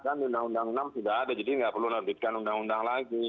kan undang undang enam sudah ada jadi nggak perlu nerbitkan undang undang lagi